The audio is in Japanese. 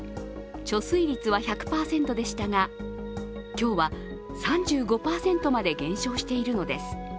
貯水率は１００％でしたが、今日は３５％まで減少しているのです。